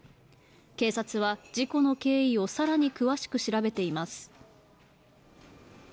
警察は事故の経緯をさらに詳しく調べています